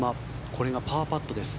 これがパーパットです。